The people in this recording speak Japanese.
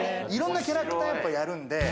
いろいろなキャラクターをやるんで。